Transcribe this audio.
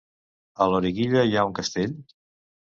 A Loriguilla hi ha un castell?